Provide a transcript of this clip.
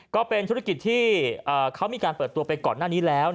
ก็เป็นธุรกิจที่เขามีการเปิดตัวไปก่อนหน้านี้แล้ว